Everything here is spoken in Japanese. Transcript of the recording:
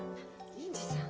銀次さん。